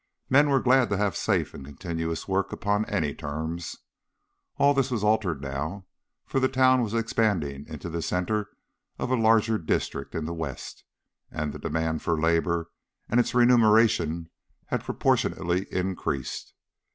Men were glad to have safe and continuous work upon any terms. All this was altered now, for the town was expanding into the centre of a large district in the west, and the demand for labour and its remuneration had proportionately increased.